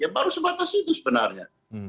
baru sebatas itu sebenarnya